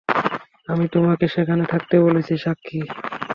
আমি তোমাকে সেখানে থাকতে বলেছি, সাক্ষী।